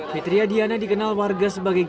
fitriya diana dikenal warga sebagai geng